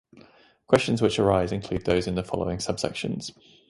Questions which arise include those in the following subsections.